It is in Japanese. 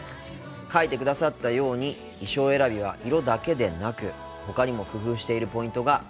書いてくださったように衣装選びは色だけでなくほかにも工夫しているポイントがあるんですよ。